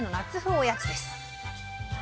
おやつです。